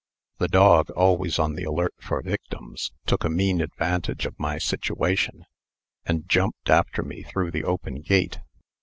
The dog, always on the alert for victims, took a mean advantage of my situation, and jumped after me through the open gate.